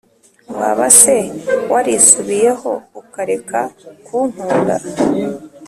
waba se warisubiyeho, ukareka kunkunda?